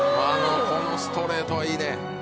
このストレートはいいね。